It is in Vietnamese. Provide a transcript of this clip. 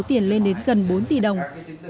tài khoản gần bốn tỷ đồng